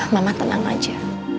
mama tenang aja